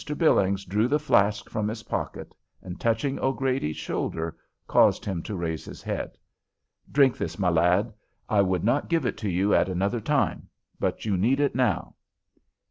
Billings drew the flask from his pocket, and, touching O'Grady's shoulder, caused him to raise his head: "Drink this, my lad. I would not give it to you at another time, but you need it now."